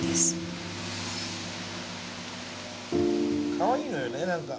かわいいのよね何か。